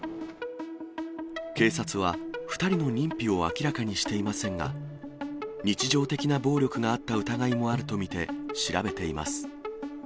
警察は２人の認否を明らかにしていませんが、日常的な暴力があった疑いもあると見て、調べています。